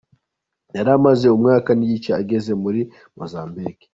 Yari amaze umwaka n’igice ageze muri Mozambique.